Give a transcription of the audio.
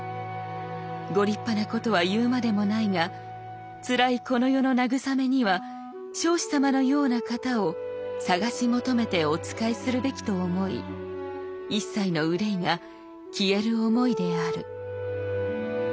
ご立派なことは言うまでもないがつらいこの世の慰めには彰子様のような方を探し求めてお仕えするべきと思い一切の憂いが消える思いである」。